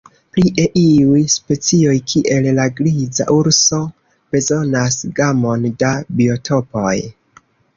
Plie, iuj specioj, kiel la griza urso, bezonas gamon da biotopoj.